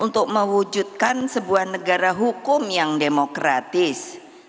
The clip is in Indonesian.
untuk mewujudkan sebuah negara hukum yang demokratis